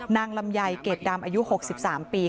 นางลำไยเก็บดำอายุ๖๓ปี